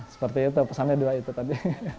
seperti itu pesannya dua itu tadi